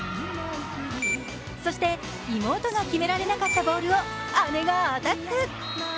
そして妹が決められなかったボールを姉がアタック。